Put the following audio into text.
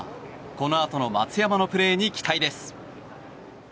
このあとの松山のプレーに期待です。